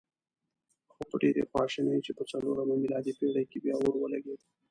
خو په ډېرې خواشینۍ چې په څلورمه میلادي پېړۍ کې بیا اور ولګېد.